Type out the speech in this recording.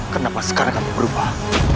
kenapa sekarang kamu berubah